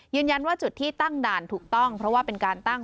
ยืนยันว่าจุดที่ตั้งด่านถูกต้องเพราะว่าเป็นการตั้ง